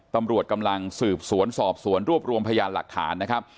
ตำรวจกำลังสืบสวนสอบสวนรวบรวมพยานหลักฐานนะครับ